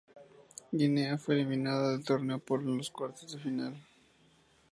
Guinea fue eliminada del torneo por en los cuartos de final.